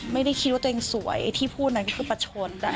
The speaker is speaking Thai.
ไม่ได้คิดว่าตัวเองสวยไอ้ที่พูดนั้นก็คือประชน